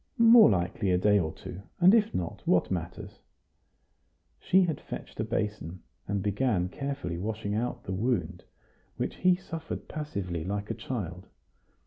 "More likely a day or two; and if not, what matters?" She had fetched a basin, and began carefully washing out the wound, which he suffered passively, like a child.